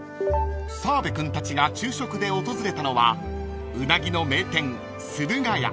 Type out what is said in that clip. ［澤部君たちが昼食で訪れたのはウナギの名店駿河屋］